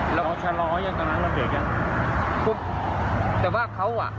เขาชะล้อย่างตอนนั้นเราเจอกันปุ๊บแต่ว่าเขาอ่ะ